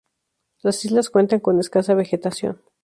Las islas cuentan con escasa vegetación.